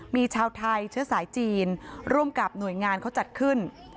มีชาวไทยเชื้อสายจีนร่วมกับหน่วยงานเขาจัดขึ้น